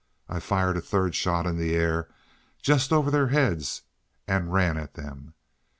I fired a third shot in the air, just over their heads, and ran at them.